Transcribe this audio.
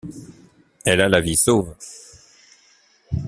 Elle a la vie sauve.